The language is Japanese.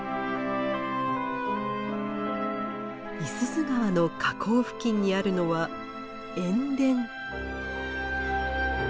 五十鈴川の河口付近にあるのは塩田。